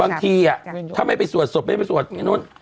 บางทีถ้าไม่ไปสวดศพไม่ไปสวดไอ้นู้น